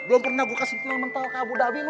belum pernah gue kasih kelemental ke abu dhabi lu